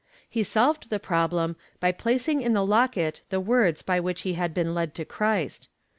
He solved the problem by placing in the locket the words by which he had been led to Christ.